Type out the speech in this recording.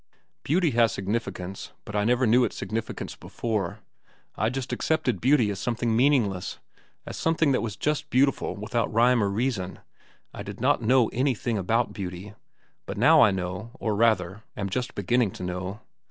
"Beauty has significance, but I never knew its significance before. I just accepted beauty as something meaningless, as something that was just beautiful without rhyme or reason. I did not know anything about beauty. But now I know, or, rather, am just beginning to know.